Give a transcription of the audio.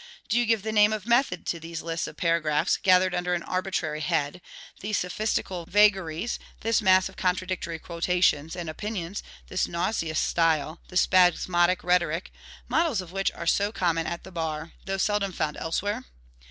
Do you give the name of method to these lists of paragraphs gathered under an arbitrary head, these sophistical vagaries, this mass of contradictory quotations and opinions, this nauseous style, this spasmodic rhetoric, models of which are so common at the bar, though seldom found elsewhere?